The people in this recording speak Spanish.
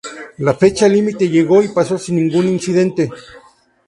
La fecha límite llegó y pasó sin ningún incidente.